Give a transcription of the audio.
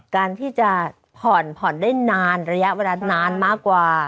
การที่จะผ่อนผ่อนได้นานระยะเวลานานมากกว่า